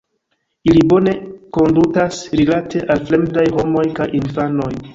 Ili bone kondutas rilate al fremdaj homoj kaj infanoj.